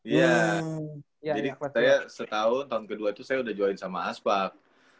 iya jadi saya setahun tahun ke dua itu saya udah join sama aspak